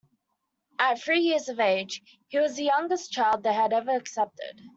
At three years of age, he was the youngest child they had ever accepted.